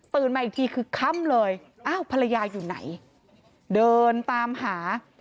มาอีกทีคือค่ำเลยอ้าวภรรยาอยู่ไหนเดินตามหา